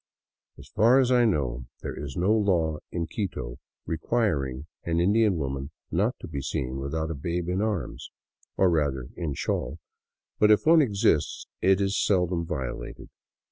As far as I know, there is no law in Quito requiring an Indian woman not to be seen without a babe in arms, or, rather, in shawl ; but if one exists, it is seldom violated.